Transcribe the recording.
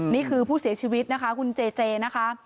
นี่คือผู้เสียชีวิตนะคะคุณเจเจนะคะ